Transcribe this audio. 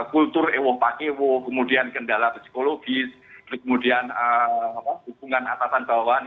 kultur ewo pakewo kemudian kendala psikologis kemudian hubungan atasan bawahan